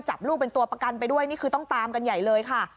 จับลูกเป็นตัวประกันไปด้วยนี่คือต้องตามกันใหญ่เลยค่ะ